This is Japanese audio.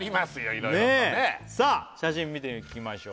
色々とねさあ写真見ていきましょう